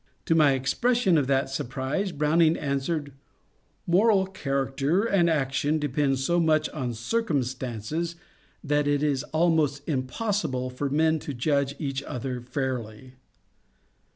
To my expression of that surprise Browning answered, ^^ Moral character and action depend so much on circumstances that it is almost impossible for men to judge each other fairly."